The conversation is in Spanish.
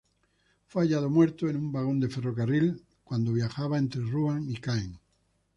Fue hallado muerto en un vagón de ferrocarril cuando viajaba entre Ruan y Caen.